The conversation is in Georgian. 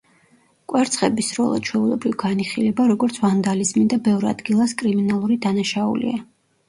კვერცხების სროლა ჩვეულებრივ განიხილება როგორც ვანდალიზმი და ბევრ ადგილას კრიმინალური დანაშაულია.